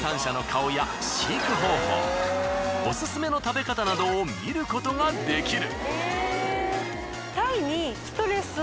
オススメの食べ方などを見ることができる。